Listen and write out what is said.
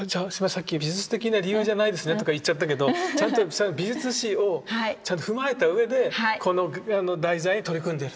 さっき「美術的な理由じゃないですね」とか言っちゃったけどちゃんと美術史をちゃんと踏まえたうえでこの題材に取り組んでいるっていう。